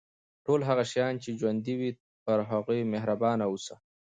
ټول هغه شیان چې ژوندي وي پر هغوی مهربان اوسه.